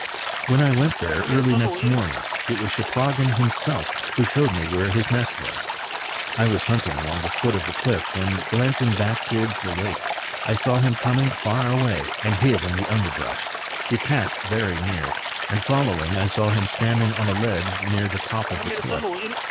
When I went there, early next morning, it was Cheplahgan himself who showed me where his nest was. I was hunting along the foot of the cliff when, glancing back towards the lake, I saw him coming far away, and hid in the underbrush. He passed very near, and following, I saw him standing on a ledge near the top of the cliff.